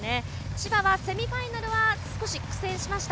千葉はセミファイナルは少し苦戦しました。